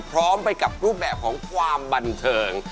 พร้อมไปกับรูปแบบของความบันเทิง